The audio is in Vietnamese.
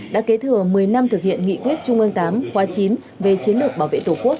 đã kế thừa một mươi năm thực hiện nghị quyết trung ương tám khóa chín về chiến lược bảo vệ tổ quốc